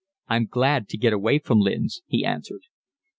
"I'm glad to get away from Lynn's," he answered.